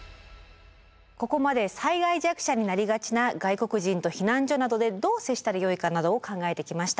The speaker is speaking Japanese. ここまで災害弱者になりがちな外国人と避難所などでどう接したらよいかなどを考えてきました。